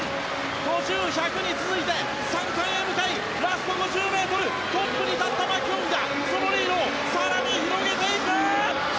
５０、１００に続いて３冠に向かいラスト５０ｍトップに立ったマキュオンがそのリードを更に広げていく！